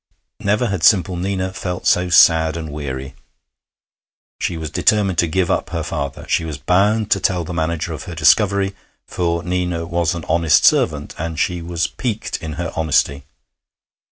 Never had simple Nina felt so sad and weary. She was determined to give up her father. She was bound to tell the manager of her discovery, for Nina was an honest servant, and she was piqued in her honesty.